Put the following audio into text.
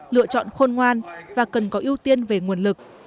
lựa chọn khôn ngoan và cần có ưu tiên về nguồn lực